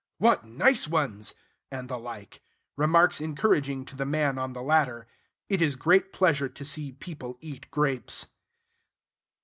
"What nice ones!" and the like, remarks encouraging to the man on the ladder. It is great pleasure to see people eat grapes.